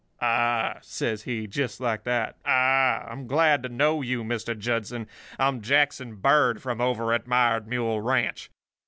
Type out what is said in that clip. "'Ah,' says he, just like that—'Ah, I'm glad to know you, Mr. Judson. I'm Jackson Bird, from over at Mired Mule Ranch.